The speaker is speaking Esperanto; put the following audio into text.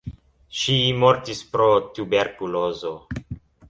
Ŝi mortis pro tuberkulozo.